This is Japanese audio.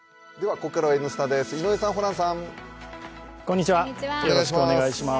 ここからは「Ｎスタ」です。